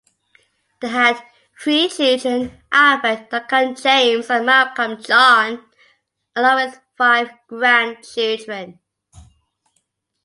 They had three children, Alfred, Duncan James, and Malcolm John, along with five grandchildren.